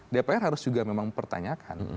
dpr harus juga memang mempertanyakan